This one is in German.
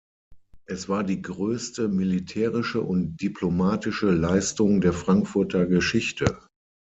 Es war die größte militärische und diplomatische Leistung der Frankfurter Geschichte.